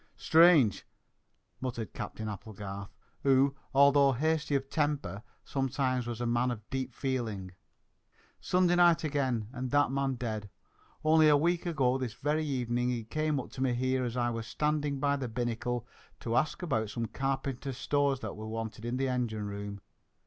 "Strange!" muttered Captain Applegarth, who, although hasty of temper sometimes, was a man of deep feeling. "Sunday night again and that man dead! Only a week ago, this very evening, he came up to me here as I was standing by the binnacle to ask about some carpenter's stores that were wanted in the engine room.